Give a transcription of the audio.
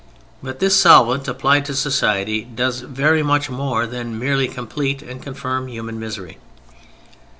But this solvent applied to society does very much more than merely complete and confirm human misery.